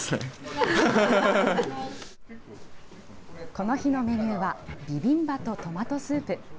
この日のメニューはビビンバとトマトスープ。